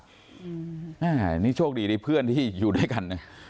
อันนี้โชคดีที่เพื่อนที่อยู่ด้วยกันเนี่ย